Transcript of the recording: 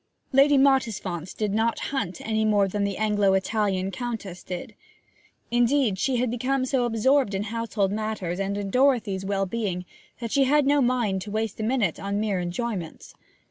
Lady Mottisfont did not hunt any more than the Anglo Italian Countess did; indeed, she had become so absorbed in household matters and in Dorothy's wellbeing that she had no mind to waste a minute on mere enjoyments.